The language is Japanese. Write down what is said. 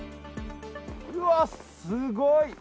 うわ、すごい。